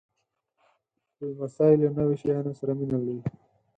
لمسی له نویو شیانو سره مینه لري.